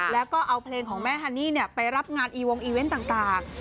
แล้วก็เอาเพลงของแม่ฮันนี่ไปรับงานอีวงอีเวนต์ต่าง